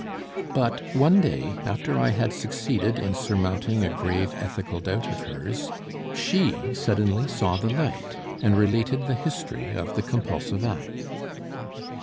But one day after I had succeeded in surmounting a grave ethical doubt of hers she suddenly saw the light and related the history of the compulsive act.